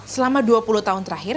selama dua puluh tahun terakhir